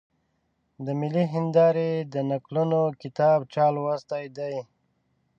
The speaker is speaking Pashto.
د ملي هېندارې د نکلونو کتاب چا لوستلی دی؟